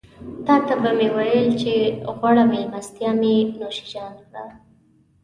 تاته به مې وويل چې غوړه مېلمستيا مې نوشيجان کړه.